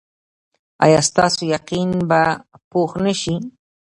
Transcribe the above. ایا ستاسو یقین به پوخ نه شي؟